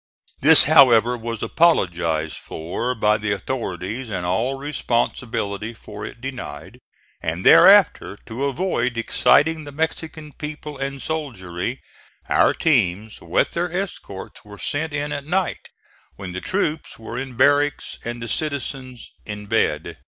This, however, was apologized for by the authorities and all responsibility for it denied; and thereafter, to avoid exciting the Mexican people and soldiery, our teams with their escorts were sent in at night, when the troops were in barracks and the citizens in bed.